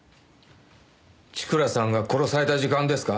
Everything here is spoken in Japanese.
千倉さんが殺された時間ですか？